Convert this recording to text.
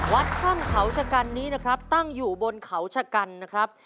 วัดถ้ำเขาชะกันนี้นะครับตั้งอยู่บนเขาชะกันนะครับ